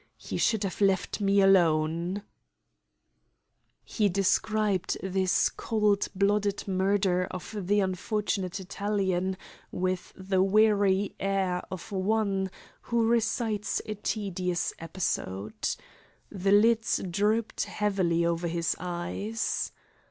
He should have left me alone." He described this cold blooded murder of the unfortunate Italian with the weary air of one who recites a tedious episode. The lids drooped heavily over his eyes.